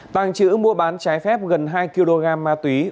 tàng trữ mua bán trái phép gần hai kg mặt